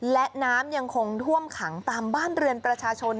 และน้ำยังคงท่วมขังตามบ้านเรือนประชาชน